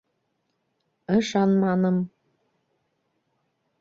Ышанманым...